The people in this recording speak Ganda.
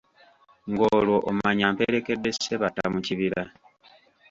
Ng'olwo omanya mperekedde Ssebatta mu kibira.